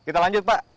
kita lanjut pak